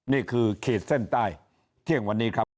นี่คือเขตเส้นใต้เที่ยงวันนี้ครับ